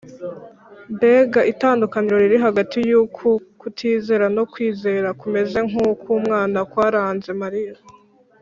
. Mbega itandukaniro riri hagati y’uku kutizera no kwizera kumeze nk’uko umwana kwaranze Mariya